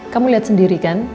kamu lihat sendiri kan